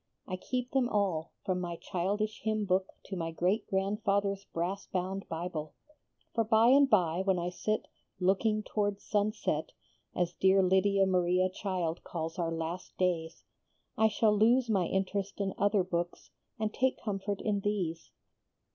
I keep them all, from my childish hymn book to my great grandfather's brass bound Bible, for by and by when I sit 'Looking towards Sunset,' as dear Lydia Maria Child calls our last days, I shall lose my interest in other books, and take comfort in these.